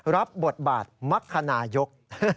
รับบทบาทมคณะยก